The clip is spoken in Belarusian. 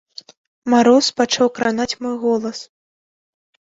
Мароз пачаў кранаць мой голас.